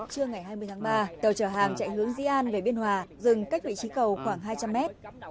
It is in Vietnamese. trưa ngày hai mươi tháng ba tàu chở hàng chạy hướng di an về biên hòa dừng cách vị trí cầu khoảng hai trăm linh mét